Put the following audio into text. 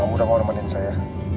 kamu udah mau nemenin saya